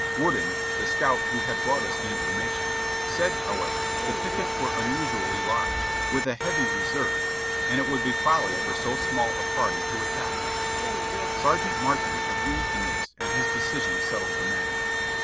Wooden, the scout who brought us the information, said, how ever, the pickets were unusually large, with a heavy reserve, and it would be folly for so small a party to attack them. Sergeant Martin agreed in this and his decision settled the matter.